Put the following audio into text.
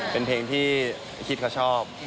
เป็นเพลงที่คิดเขาชอบ